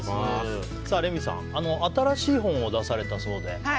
レミさん新しい本を出されたそうで。